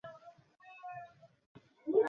তারা কি বেঁচে থাকতে পারবে?